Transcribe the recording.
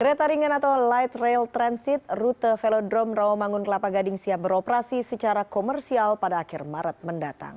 kereta ringan atau light rail transit rute velodrome rawamangun kelapa gading siap beroperasi secara komersial pada akhir maret mendatang